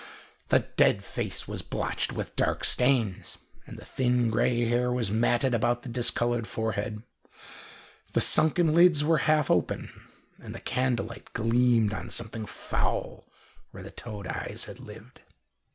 The dead face was blotched with dark stains, and the thin, grey hair was matted about the discoloured forehead. The sunken lids were half open, and the candle light gleamed on something foul where the toad eyes had lived.